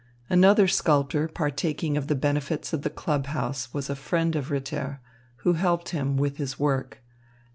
Another sculptor partaking of the benefits of the club house was a friend of Ritter, who helped him with his work.